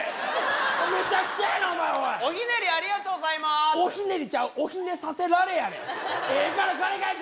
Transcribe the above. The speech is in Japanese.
メチャクチャやなお前おいおひねりありがとうございますおひねりちゃうおひねさせられやねんええから金返せ